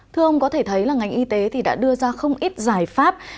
thưa ông có thể thấy là ngành y tế đã đưa ra không ít giải pháp